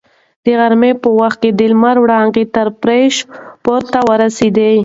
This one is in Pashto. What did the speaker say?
د غرمې په وخت کې د لمر وړانګې تر فرش پورې ورسېدې.